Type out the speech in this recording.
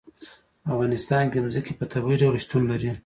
په افغانستان کې ځمکه په طبیعي ډول شتون لري.